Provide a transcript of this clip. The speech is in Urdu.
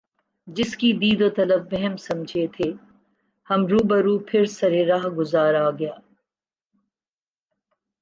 جس کی دید و طلب وہم سمجھے تھے ہم رو بہ رو پھر سر رہ گزار آ گیا